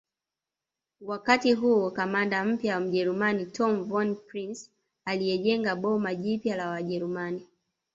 wakati huo kamanda mpya mjerumani Tom Von Prince alijenga boma jipya la wajerumani